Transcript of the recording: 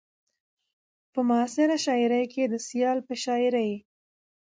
په معاصره شاعرۍ کې د سيال په شاعرۍ